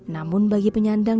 namun bagi penyandang